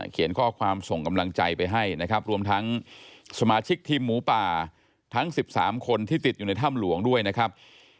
เขียนข้อความส่งกำลังใจไปให้นะครับรวมทั้งสมาชิกทีมหมูป่าทั้ง๑๓คนที่ติดอยู่ในถ้ำหลวงด้วยนะครับ